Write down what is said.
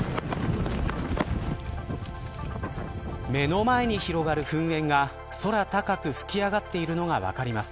目の前に広がる噴煙が空高く吹き上がっているのが分かります。